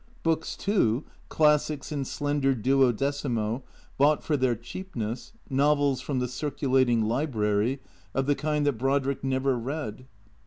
Books, too, clas sics in slender duo decimo, bought for their cheapness, novels (from the circulating library), of the kind that Brodrick never read.